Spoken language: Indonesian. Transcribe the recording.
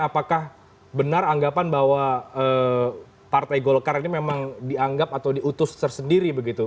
apakah benar anggapan bahwa partai golkar ini memang dianggap atau diutus tersendiri begitu